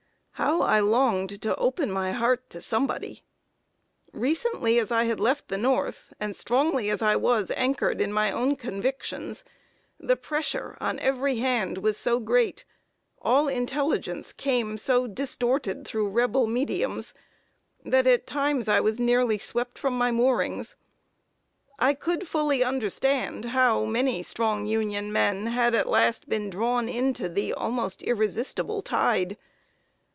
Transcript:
How I longed to open my heart to somebody! Recently as I had left the North, and strongly as I was anchored in my own convictions, the pressure on every hand was so great, all intelligence came so distorted through Rebel mediums, that at times I was nearly swept from my moorings. I could fully understand how many strong Union men had at last been drawn into the almost irresistible tide.